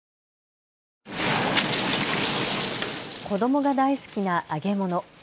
子どもが大好きな揚げ物。